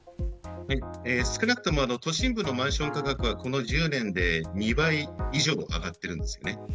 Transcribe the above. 少なくとも都心部のマンション価格は、この１０年で２倍以上、上がっています。